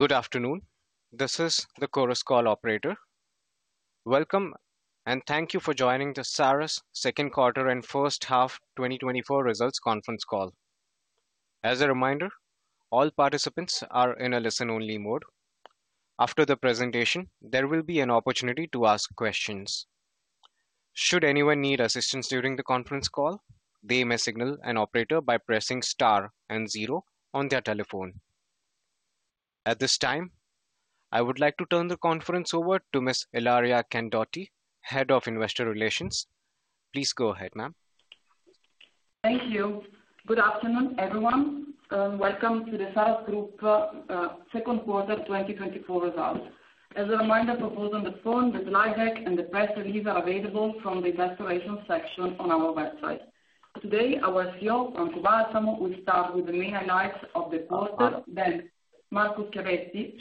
Good afternoon. This is the Chorus Call operator. Welcome, and thank you for joining the Saras second quarter and first half 2024 results conference call. As a reminder, all participants are in a listen-only mode. After the presentation, there will be an opportunity to ask questions. Should anyone need assistance during the conference call, they may signal an operator by pressing star and zero on their telephone. At this time, I would like to turn the conference over to Miss Ilaria Candotti, Head of Investor Relations. Please go ahead, ma'am. Thank you. Good afternoon, everyone, welcome to the Saras Group second quarter 2024 results. As a reminder, for those on the phone, the playback and the press release are available from the investor relations section on our website. Today, our CEO, Franco Balsamo, will start with the main highlights of the quarter. Then Marco Schiavetti-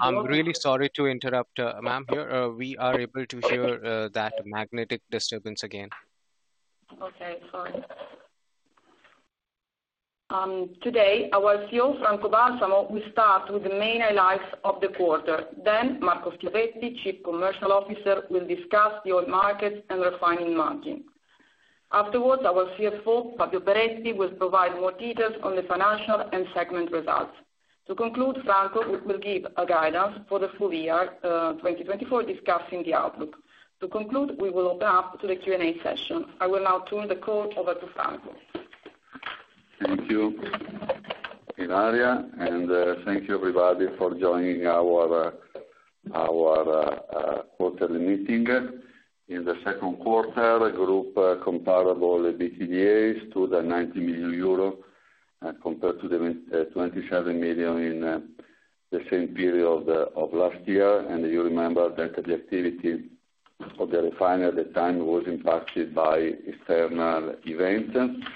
I'm really sorry to interrupt, ma'am. Here, we are able to hear that magnetic disturbance again. Okay, sorry. Today, our CEO, Franco Balsamo, will start with the main highlights of the quarter. Then Marco Schiavetti, Chief Commercial Officer, will discuss the oil markets and refining margin. Afterwards, our CFO, Fabio Peretti, will provide more details on the financial and segment results. To conclude, Franco will give a guidance for the full year, 2024, discussing the outlook. To conclude, we will open up to the Q&A session. I will now turn the call over to Franco. Thank you, Ilaria, and thank you everybody for joining our quarterly meeting. In the second quarter, the group comparable EBITDA stood at 90 million euro compared to the 27 million in the same period of last year. And you remember that the activity of the refinery at the time was impacted by external events.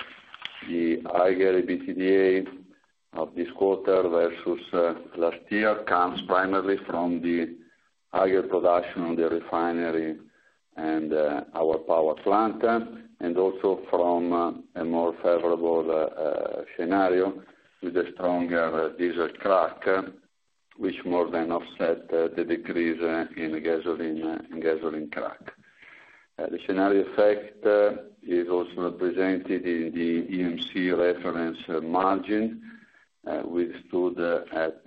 The higher EBITDA of this quarter versus last year comes primarily from the higher production on the refinery and our power plant, and also from a more favorable scenario with a stronger diesel crack, which more than offset the decrease in gasoline crack. The scenario effect is also presented in the EMC Reference Margin, which stood at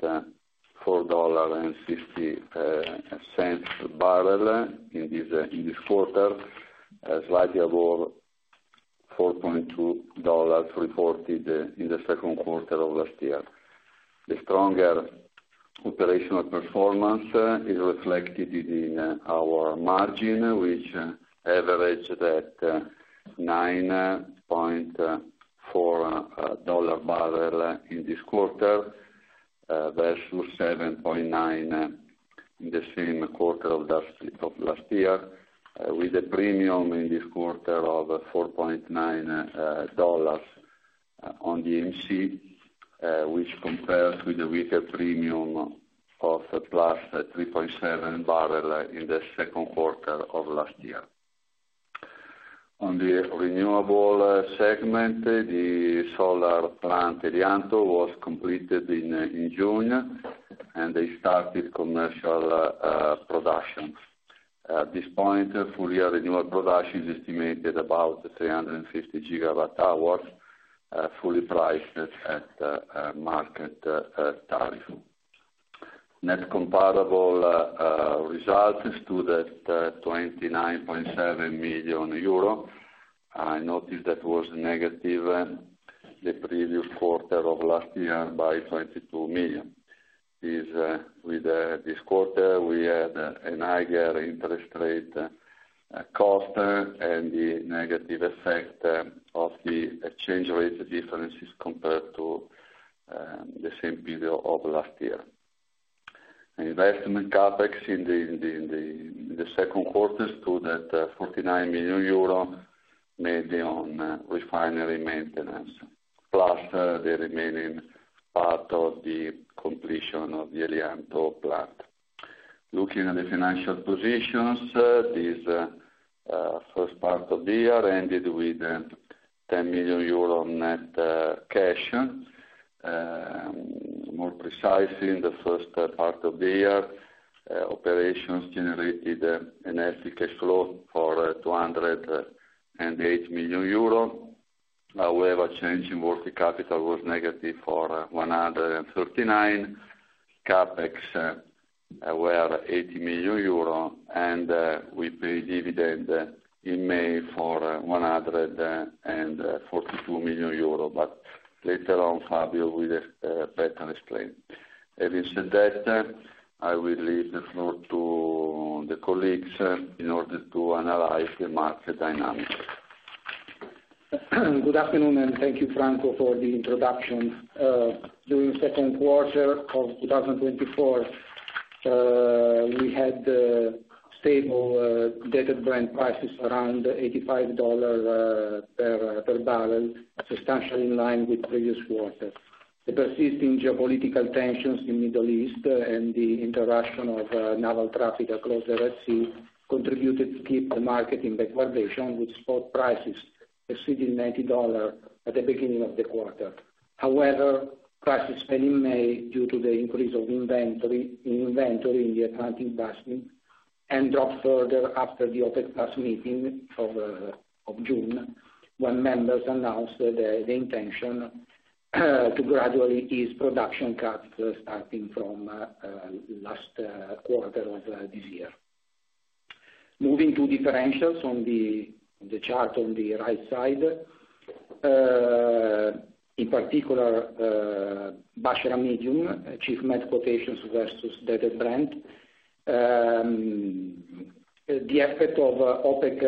$4.50 per barrel in this quarter, slightly above $4.2 reported in the second quarter of last year. The stronger operational performance is reflected in our margin, which averages at $9.4 per barrel in this quarter, versus $7.9 in the same quarter of last year, with a premium in this quarter of $4.9 on the EMC, which compares with the weaker premium of +$3.7 barrel in the second quarter of last year. On the renewable segment, the solar plant Helianto was completed in June, and they started commercial production. At this point, full year renewable production is estimated about 350 GWh, fully priced at market tariff. Net comparable results stood at 29.7 million euro. I noticed that was negative the previous quarter of last year by 22 million. Is, with this quarter, we had a higher interest rate cost, and the negative effect of the exchange rate differences compared to the same period of last year. Investment CapEx in the second quarter stood at 49 million euro, mainly on refinery maintenance, plus the remaining part of the completion of the Helianto plant. Looking at the financial positions, this first part of the year ended with 10 million euro net cash. More precisely, in the first part of the year, operations generated an net cash flow for 208 million euro. However, change in working capital was negative for 139 million. CapEx were 80 million euro and we paid dividend in May for 142 million euro. But later on, Fabio will better explain. Having said that, I will leave the floor to the colleagues in order to analyze the market dynamics. Good afternoon, and thank you, Franco, for the introduction. During second quarter of 2024, we had stable Dated Brent prices around $85 per barrel, substantially in line with the previous quarter. The persisting geopolitical tensions in Middle East and the interaction of naval traffic across the Red Sea contributed to keep the market in backwardation, with spot prices exceeded $90 at the beginning of the quarter. However, prices fell in May due to the increase of inventory in the Atlantic Basin, and dropped further after the OPEC+ meeting of June, when members announced the intention to gradually ease production cuts, starting from last quarter of this year. Moving to differentials on the chart on the right side. In particular, Basra Medium achieved net quotations versus Dated Brent. The effect of OPEC+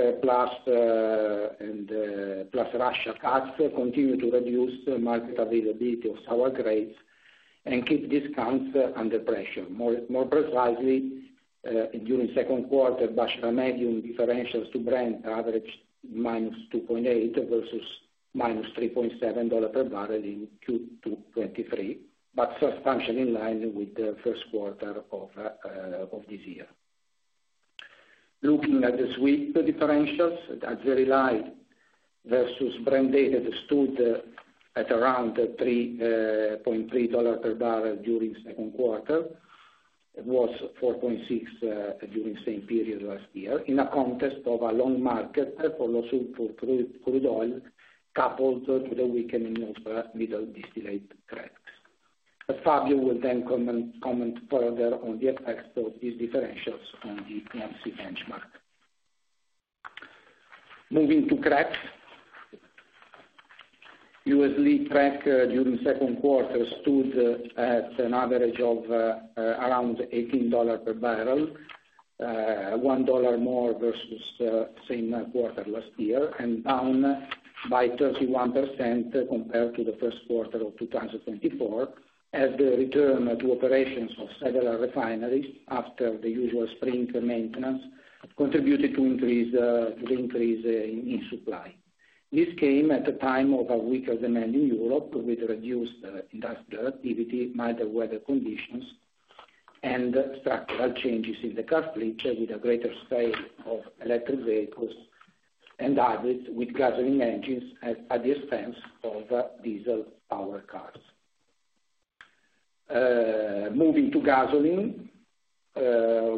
and plus Russia cuts continue to reduce market availability of our grades and keep discounts under pressure. More precisely, during second quarter, Basra Medium differentials to Brent averaged -$2.8 versus -$3.7 per barrel in Q2 2023, but substantially in line with the first quarter of this year. Looking at the sweet differentials, Azeri Light versus Brent Dated stood at around $3.3 per barrel during second quarter. It was $4.6 during the same period last year, in a context of a long market for also crude oil, coupled to the weakening of middle distillate cracks. But Fabio will then comment further on the effects of these differentials on the EMC benchmark. Moving to cracks. ULSD crack during the second quarter stood at an average of around $18 per barrel, $1 more versus same quarter last year, and down by 31% compared to the first quarter of 2024, as the return to operations of several refineries after the usual spring maintenance contributed to the increase in supply. This came at a time of a weaker demand in Europe, with reduced industrial activity, milder weather conditions, and structural changes in the car fleet, with a greater sale of electric vehicles and others with gasoline engines at the expense of diesel powered cars. Moving to gasoline,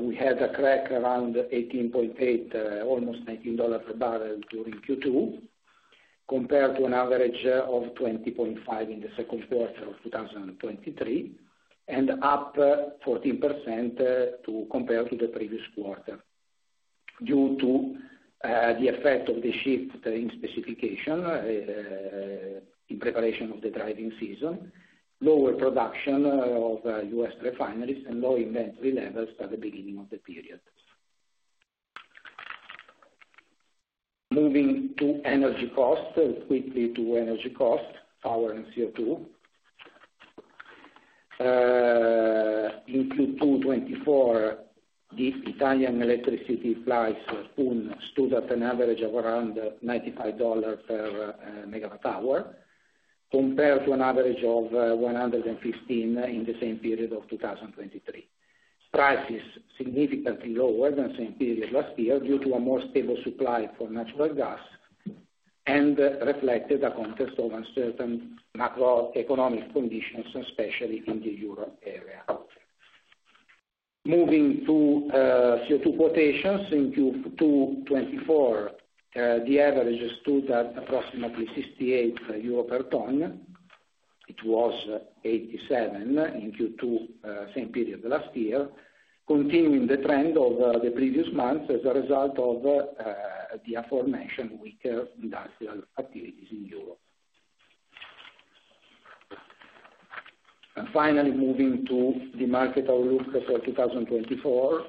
we had a crack around $18.8, almost $19 per barrel during Q2, compared to an average of $20.5 in the second quarter of 2023, and up 14% to compare to the previous quarter, due to the effect of the shift in specification in preparation of the driving season, lower production of U.S. refineries, and lower inventory levels at the beginning of the period. Moving to energy costs, quickly to energy costs, power and CO2. In Q2 2024, the Italian electricity price soon stood at an average of around $95 per megawatt hour, compared to an average of $115 in the same period of 2023. Price is significantly lower than same period last year, due to a more stable supply for natural gas and reflected a context of uncertain macroeconomic conditions, especially in the Europe area. Moving to CO2 quotations in Q2 2024, the average stood at approximately 68 euro per ton. It was 87 in Q2 same period last year, continuing the trend of the previous months as a result of the aforementioned weaker industrial activities in Europe. And finally, moving to the market outlook for 2024.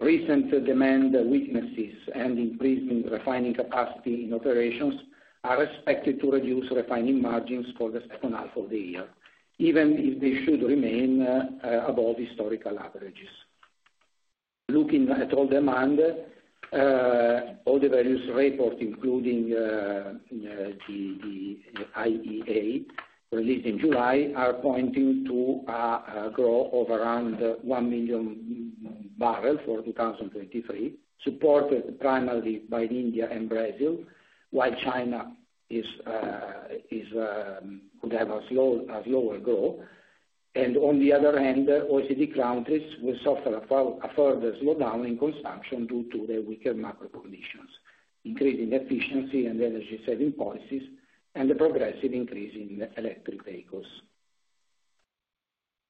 Recent demand weaknesses and increase in refining capacity in operations are expected to reduce refining margins for the second half of the year, even if they should remain above historical averages. Looking at oil demand, all the various reports, including the IEA released in July, are pointing to growth of around 1 million barrels for 2023, supported primarily by India and Brazil, while China could have a lower growth. On the other hand, OECD countries will suffer a further slowdown in consumption due to the weaker macro conditions, increasing efficiency and energy-saving policies, and the progressive increase in electric vehicles.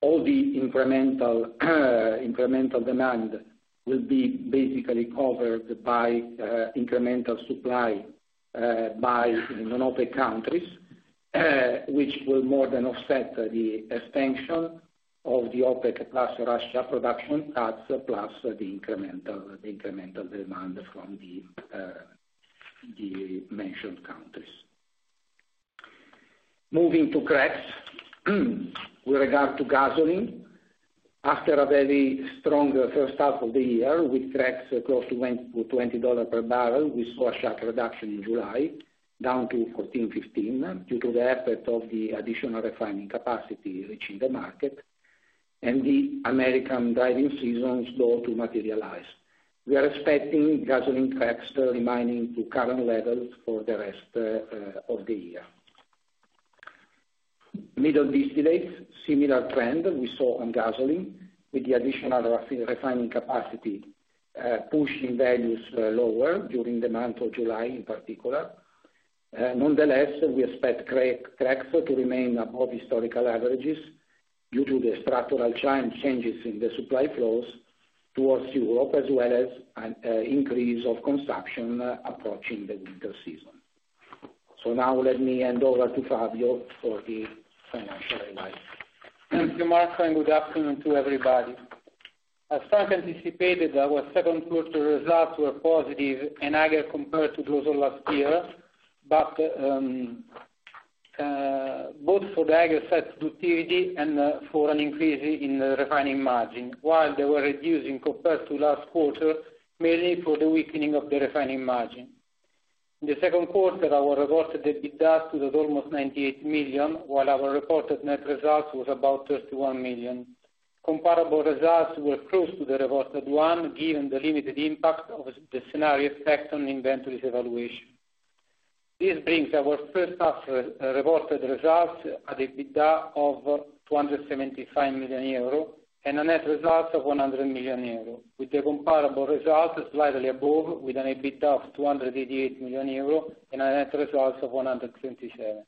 All the incremental demand will be basically covered by incremental supply by, you know, non-OPEC countries, which will more than offset the expansion of the OPEC+ Russia production, plus the incremental demand from the mentioned countries. Moving to cracks. With regard to gasoline, after a very strong first half of the year, with cracks close to 20, to $20 per barrel, we saw a sharp reduction in July, down to 14, 15, due to the effort of the additional refining capacity reaching the market... and the American driving season start to materialize. We are expecting gasoline cracks remaining to current levels for the rest of the year. Middle distillates, similar trend we saw on gasoline, with the additional refining capacity pushing values lower during the month of July, in particular. Nonetheless, we expect cracks to remain above historical averages due to the structural change, changes in the supply flows towards Europe, as well as an increase of consumption approaching the winter season. So now let me hand over to Fabio for the financial advice. Thank you, Marco, and good afternoon to everybody. As first anticipated, our second quarter results were positive and higher compared to those of last year, but both for the higher set activity and for an increase in the refining margin, while they were reducing compared to last quarter, mainly for the weakening of the refining margin. In the second quarter, our reported EBITDA was at almost 98 million, while our reported net results was about 31 million. Comparable results were close to the reported one, given the limited impact of the scenario effect on inventory's evaluation. This brings our first half reported results at EBITDA of 275 million euro, and a net result of 100 million euro, with the comparable results slightly above, with an EBITDA of 288 million euro and a net results of 127 million.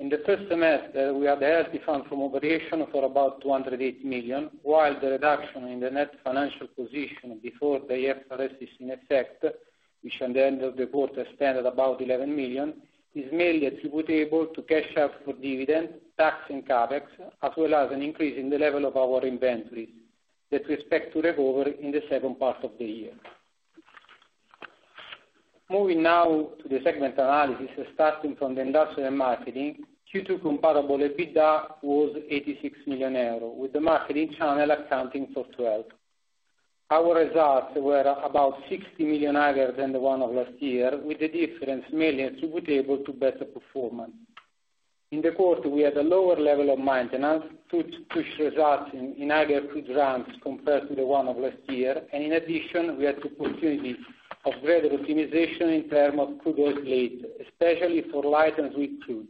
In the first semester, we had healthy funds from operations for about 208 million, while the reduction in the net financial position before IFRS 16 effect, which on the end of the quarter, expanded about 11 million, is mainly attributable to cash out for dividend, tax, and CapEx, as well as an increase in the level of our inventory, that we expect to recover in the second part of the year. Moving now to the segment analysis, starting from the industrial marketing. Q2 comparable EBITDA was 86 million euros, with the marketing channel accounting for 12 million. Our results were about 60 million higher than the one of last year, with the difference mainly attributable to better performance. In the quarter, we had a lower level of maintenance, which results in higher crude runs compared to the one of last year, and in addition, we had the opportunity of greater optimization in terms of crude oil slate, especially for light and sweet crude.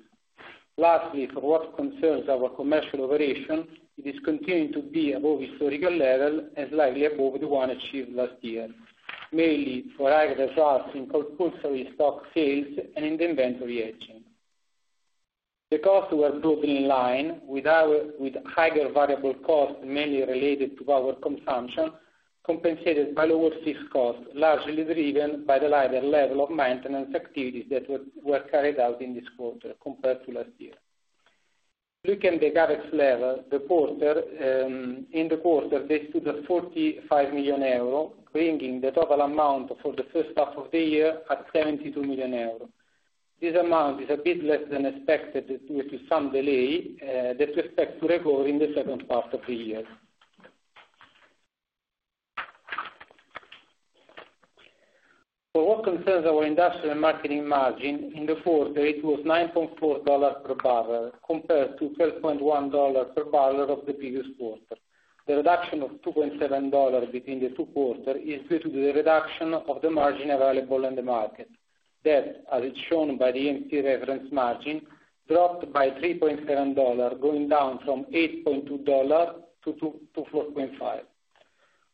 Lastly, for what concerns our commercial operation, it is continuing to be above historical level and slightly above the one achieved last year, mainly for higher results in compulsory stock sales and in the inventory hedging. The costs were totally in line with our higher variable costs, mainly related to our consumption, compensated by lower fixed costs, largely driven by the lighter level of maintenance activities that were carried out in this quarter compared to last year. Looking at the CapEx level in the quarter, it was 45 million euro, bringing the total amount for the first half of the year to 72 million euro. This amount is a bit less than expected, due to some delay that we expect to recover in the second half of the year. For what concerns our industrial and marketing margin, in the quarter, it was $9.4 per barrel, compared to $12.1 per barrel of the previous quarter. The reduction of $2.7 between the two quarters is due to the reduction of the margin available in the market, that, as it's shown by the EMC Reference Margin, dropped by $3.7, going down from $8.2 to $4.5.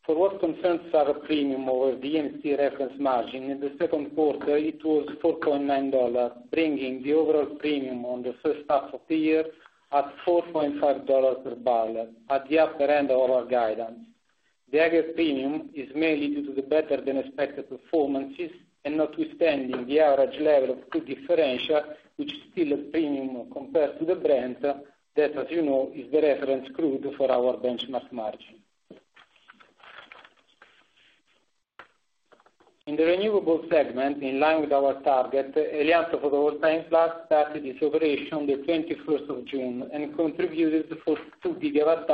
For what concerns our premium over the EMC Reference Margin, in the second quarter, it was $4.9, bringing the overall premium on the first half of the year at $4.5 per barrel, at the upper end of our guidance. The higher premium is mainly due to the better than expected performances, and notwithstanding the average level of crude differential, which is still a premium compared to Brent, that, as you know, is the reference crude for our benchmark margin. In the renewable segment, in line with our target, Helianto photovoltaic plant started its operation on the twenty-first of June, and contributed for 2 GWh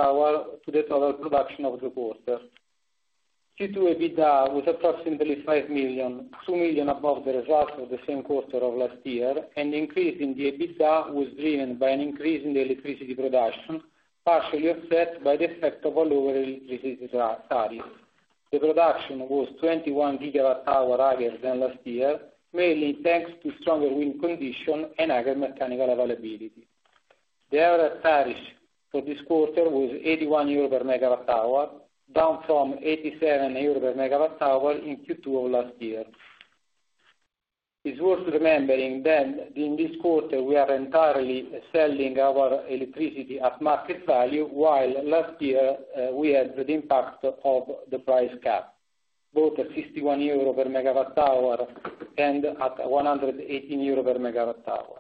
to the total production of the quarter. Q2 EBITDA was approximately 5 million, 2 million above the results of the same quarter of last year, and increase in the EBITDA was driven by an increase in the electricity production, partially offset by the effect of our lower electricity tariff. The production was 21 GWh higher than last year, mainly thanks to stronger wind condition and higher mechanical availability. The average tariff for this quarter was 81 euro per megawatt hour, down from 87 euro per megawatt hour in Q2 of last year. It's worth remembering then, in this quarter, we are entirely selling our electricity at market value, while last year, we had the impact of the price cap, both at 61 euro per megawatt hour and at 118 euro per megawatt hour.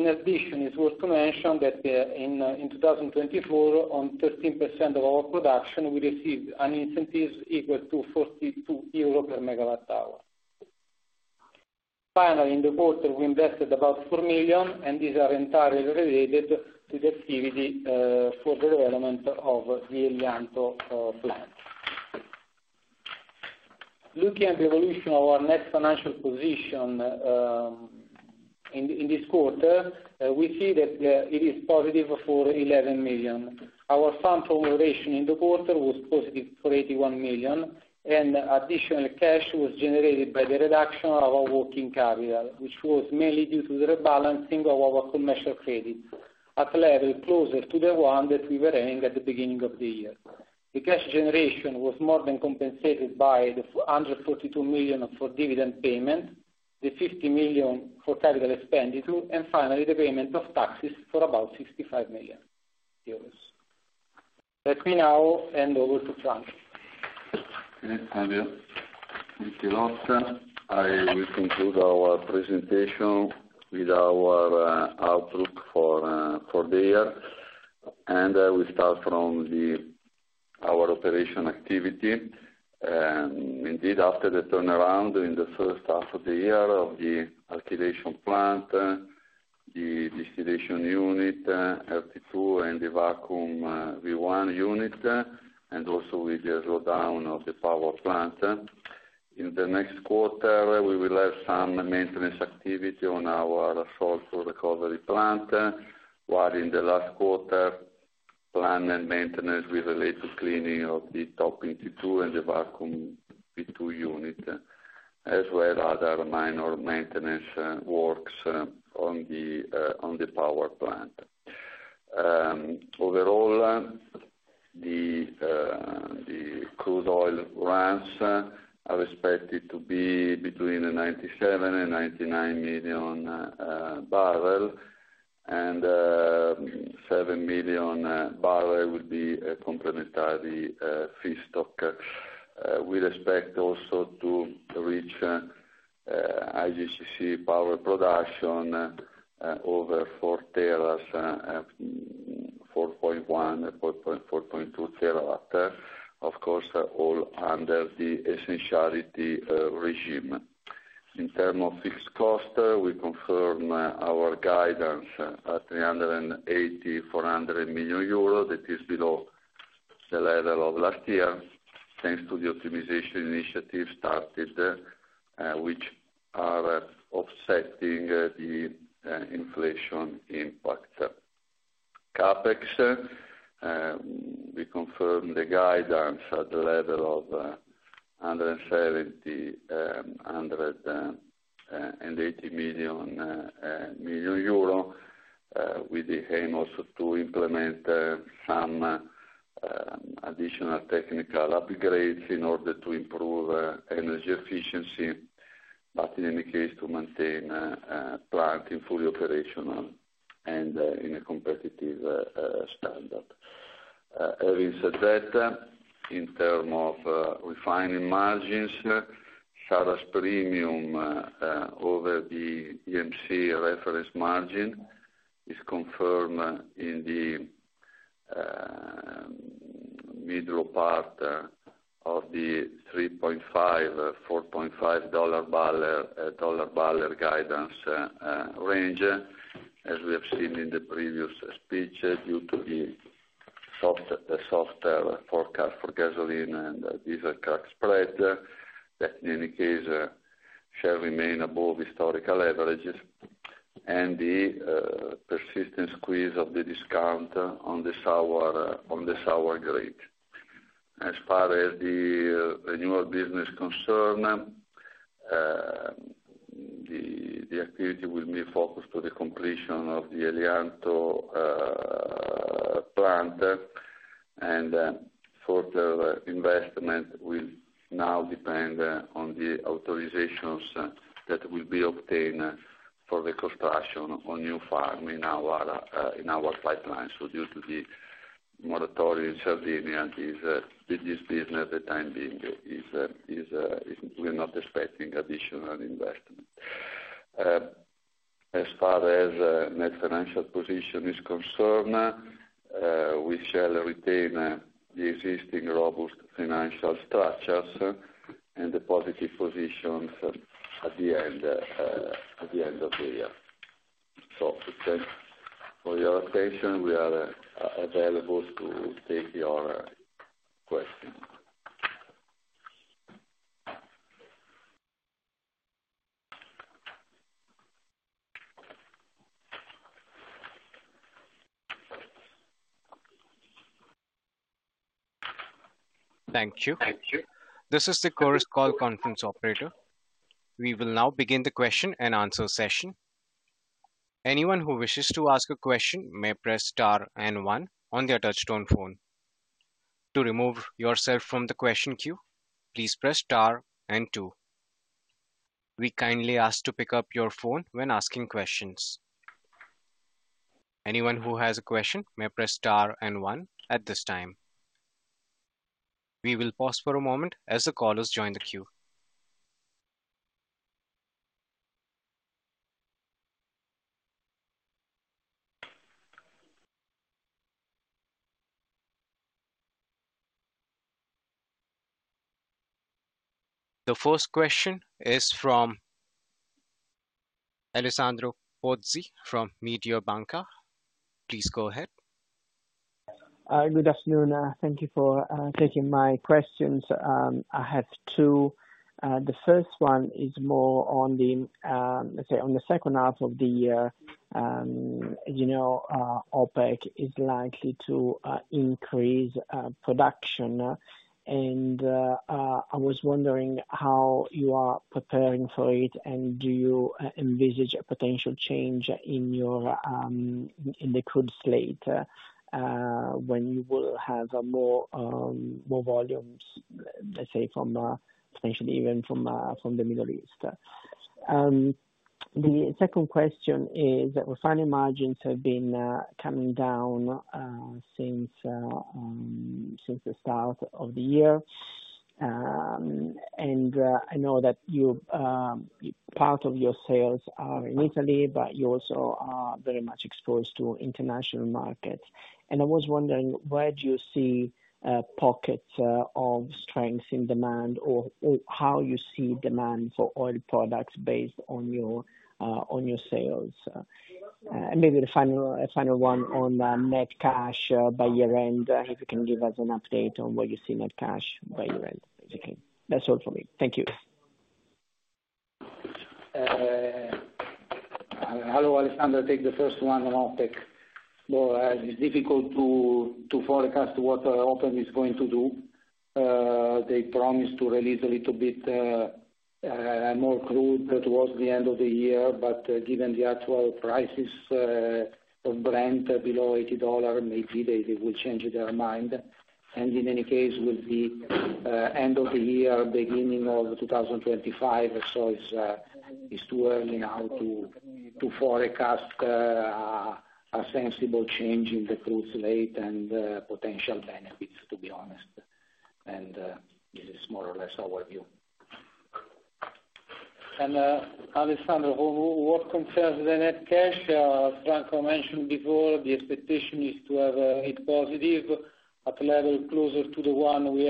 In addition, it's worth to mention that, in 2024, on 13% of our production, we received incentives equal to 42 euro per MWh. Finally, in the quarter, we invested about 4 million, and these are entirely related to the activity for the development of the Helianto plant. Looking at the evolution of our net financial position, in this quarter, we see that it is positive for 11 million. Our funds from operations in the quarter was positive for 81 million, and additional cash was generated by the reduction of our working capital, which was mainly due to the rebalancing of our commercial credit at a level closer to the one that we were having at the beginning of the year. The cash generation was more than compensated by the 142 million for dividend payment, the 50 million for capital expenditure, and finally, the payment of taxes for about 65 million euros. Let me now hand over to Franco. Okay, thank you. Thank you, lot. I will conclude our presentation with our outlook for the year, and I will start from our operation activity. Indeed, after the turnaround in the first half of the year of the alkylation plant, the distillation unit, LP2, and the Vacuum V1 unit, and also with the slowdown of the power plant. In the next quarter, we will have some maintenance activity on our sulfur recovery plant, while in the last quarter, planned maintenance with related cleaning of the Topping T2 and the Vacuum V2 unit, as well as other minor maintenance works on the power plant. Overall, the crude oil runs are expected to be between 97 and 99 million barrel, and 7 million barrel will be a complementary feed stock. We expect also to reach IGCC power production over 4 TWh, 4.1-4.2 TWh. Of course, all under the essentiality regime. In terms of fixed cost, we confirm our guidance at 380 million-400 million euros. That is below the level of last year, thanks to the optimization initiative started, which are offsetting the inflation impact. CapEx, we confirm the guidance at the level of 170 million-180 million euro. With the aim also to implement some additional technical upgrades in order to improve energy efficiency, but in any case, to maintain plant in fully operational and in a competitive standard. Having said that, in terms of refining margins, Saras premium over the EMC Reference Margin is confirmed in the middle part of the $3.5-$4.5/barrel guidance range, as we have seen in the previous speech, due to the softer forecast for gasoline and diesel crack spread, that in any case shall remain above historical averages and the persistent squeeze of the discount on the sour grade. As far as the renewable business is concerned, the activity will be focused on the completion of the Helianto plant, and further investment will now depend on the authorizations that will be obtained for the construction of new farm in our pipeline. So due to the moratorium in Sardinia, this business for the time being, we're not expecting additional investment. As far as net financial position is concerned, we shall retain the existing robust financial structures and the positive positions at the end of the year. So thanks for your attention. We are available to take your questions. Thank you. Thank you. This is the Chorus Call Conference Operator. We will now begin the question and answer session. Anyone who wishes to ask a question may press star and one on their touchtone phone. To remove yourself from the question queue, please press star and two. We kindly ask to pick up your phone when asking questions. Anyone who has a question may press star and one at this time. We will pause for a moment as the callers join the queue. The first question is from- Alessandro Pozzi from Mediobanca, please go ahead. Good afternoon, thank you for taking my questions. I have two. The first one is more on the, let's say on the second half of the year, you know, OPEC is likely to increase production, and I was wondering how you are preparing for it, and do you envisage a potential change in your in the crude slate, when you will have more volumes, let's say, from potentially even from the Middle East? The second question is that refining margins have been coming down since the start of the year. And I know that you part of your sales are in Italy, but you also are very much exposed to international markets. I was wondering, where do you see pockets of strength in demand, or how you see demand for oil products based on your sales? And maybe the final one on net cash by year-end, if you can give us an update on where you see net cash by year-end, basically. That's all for me. Thank you. Hello, Alessandro. Take the first one on OPEC. So, it's difficult to forecast what OPEC is going to do. They promised to release a little bit more crude towards the end of the year, but given the actual prices of Brent below $80, maybe they will change their mind. And in any case, with the end of the year, beginning of 2025, so it's too early now to forecast a sensible change in the crude slate and potential benefits, to be honest. And, Alessandro, what concerns the net cash, Franco mentioned before, the expectation is to have it positive, at level closer to the one we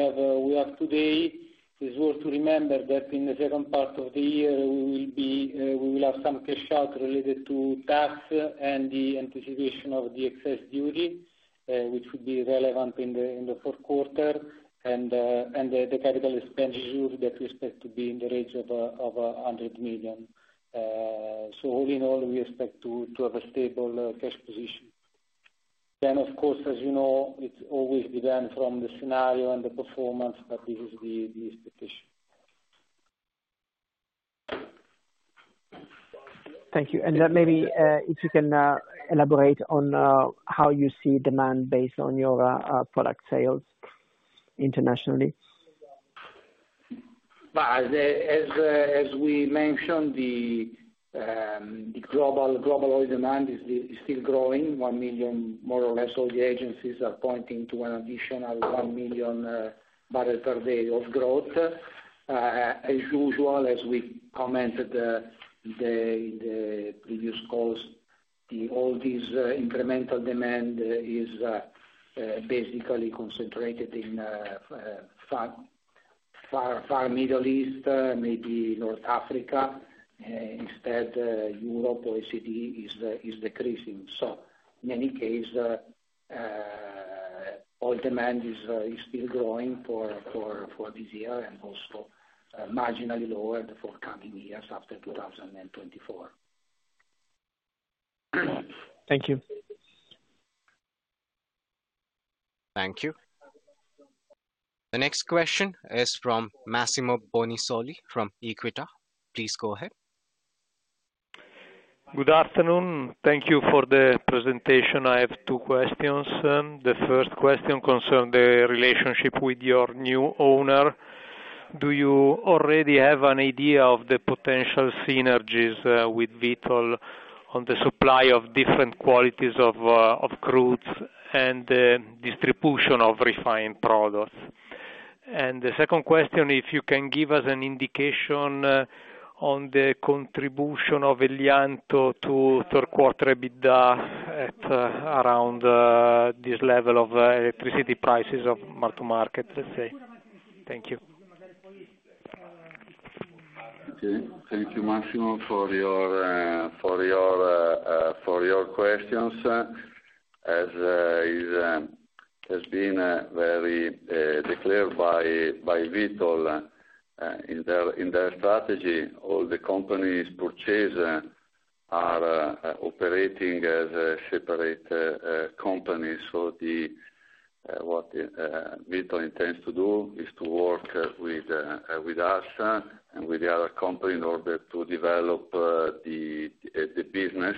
have today. It's worth to remember that in the second part of the year, we will be, we will have some cash out related to tax, and the anticipation of the excess duty, which would be relevant in the, in the fourth quarter, and, and the, the capital expenditures that we expect to be in the range of, of 100 million. So all in all, we expect to, to have a stable, cash position. Then, of course, as you know, it's always dependent from the scenario and the performance, but this is the, the expectation. Thank you. And then maybe, if you can, elaborate on how you see demand based on your product sales internationally? But as we mentioned, the global oil demand is still growing. 1 million, more or less, all the agencies are pointing to an additional 1 million barrel per day of growth. As usual, as we commented in the previous calls, all these incremental demand is basically concentrated in far Middle East, maybe North Africa, instead Europe, OECD is decreasing. So in any case, oil demand is still growing for this year, and also marginally lower the four coming years after 2024. Thank you. Thank you. The next question is from Massimo Bonisoli from Equita. Please go ahead. Good afternoon. Thank you for the presentation. I have two questions. The first question concerns the relationship with your new owner. Do you already have an idea of the potential synergies with Vitol on the supply of different qualities of crude and distribution of refined products? And the second question, if you can give us an indication on the contribution of Helianto to third quarter EBITDA at around this level of electricity prices of multi-market, let's say? Thank you. Okay. Thank you, Massimo, for your questions. As has been very declared by Vitol in their strategy, all the companies purchased are operating as separate companies. So what Vitol intends to do is to work with us and with the other company in order to develop the business,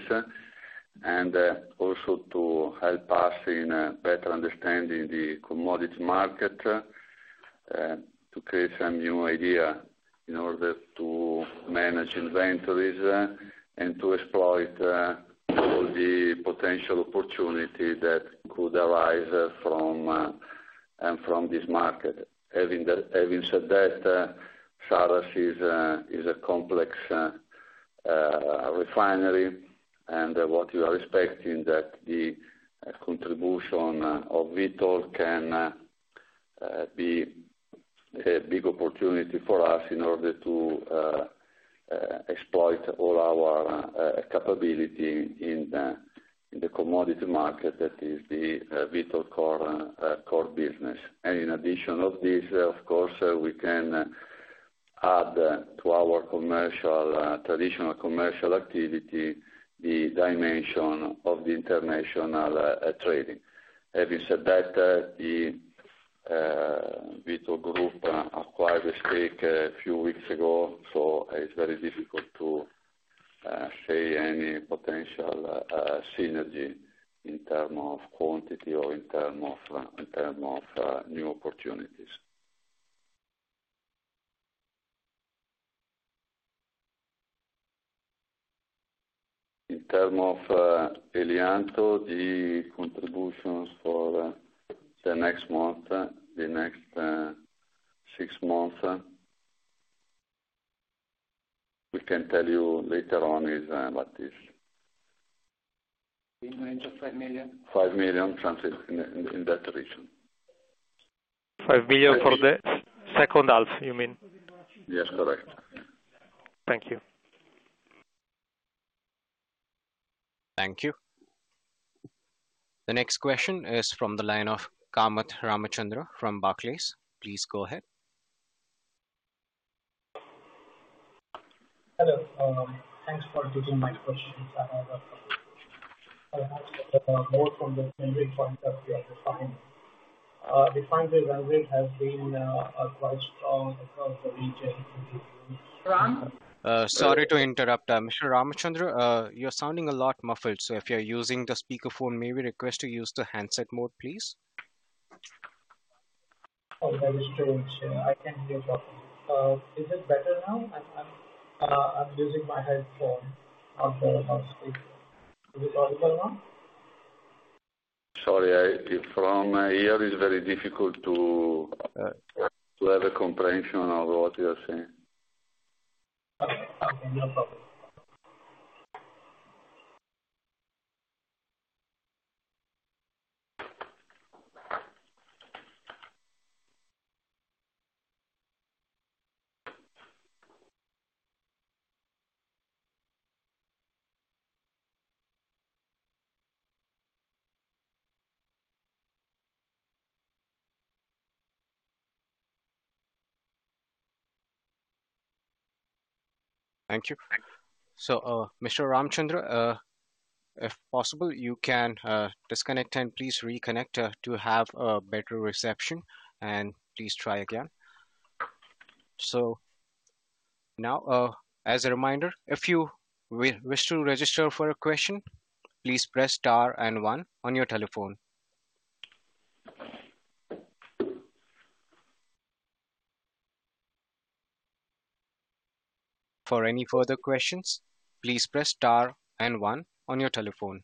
and also to help us in better understanding the commodity market, to create some new idea in order to manage inventories, and to exploit all the potential opportunity that could arise from this market. Having said that, Saras is a complex refinery, and what you are expecting that the contribution of Vitol can- The big opportunity for us in order to exploit all our capability in the commodity market, that is the Vitol core business. And in addition of this, of course, we can add to our commercial traditional commercial activity, the dimension of the international trading. Having said that, the Vitol Group acquired the stake a few weeks ago, so it's very difficult to say any potential synergy in term of quantity or in term of new opportunities. In term of Helianto, the contributions for the next month, the next six months, we can tell you later on is what is. In the range of 5 million? 5 million, something in that region. 5 million for the second half, you mean? Yes, correct. Thank you. Thank you. The next question is from the line of Kamath Ramachandra from Barclays. Please go ahead. Hello, thanks for taking my question. I have a couple. More from the point that we are defined. Refinery revenue has been quite strong across the region. Ram? Sorry to interrupt, Mr. Ramachandra. You're sounding a lot muffled, so if you're using the speaker phone, may we request to use the handset mode, please? Oh, that is true. I can hear. Is it better now? I'm using my headphone on the speaker. Is it audible now? Sorry, from here, it's very difficult to, to have a comprehension of what you are saying. Okay, no problem. Thank you. So, Mr. Ramachandra, if possible, you can disconnect and please reconnect to have a better reception, and please try again. So now, as a reminder, if you wish to register for a question, please press star and one on your telephone. For any further questions, please press star and one on your telephone.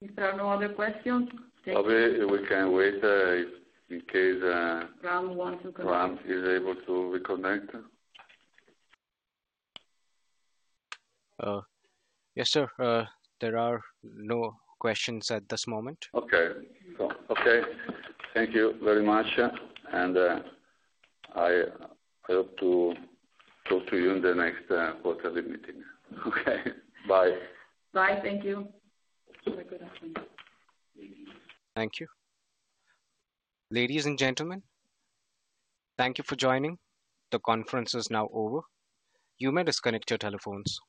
If there are no other questions, thank you. Okay, we can wait, in case, Ram wants to connect. Ram is able to reconnect. Yes, sir, there are no questions at this moment. Okay. So, okay, thank you very much, and I, I hope to talk to you in the next quarterly meeting. Okay, bye. Bye. Thank you. Have a good afternoon. Thank you. Ladies and gentlemen, thank you for joining. The conference is now over. You may disconnect your telephones.